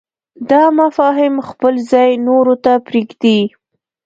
دا مفاهیم خپل ځای نورو ته پرېږدي.